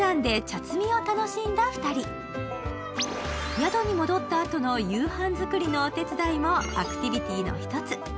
宿に戻ったあとの夕飯作りのお手伝いもアクティビティーの一つ。